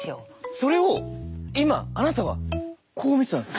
それを今あなたはこう見てたんです。